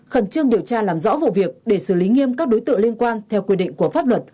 khẩn trương điều tra làm rõ vụ việc để xử lý nghiêm các đối tượng liên quan theo quy định của pháp luật